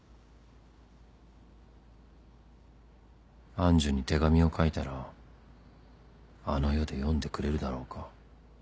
愛珠に手紙を書いたらあの世で読んでくれるだろうか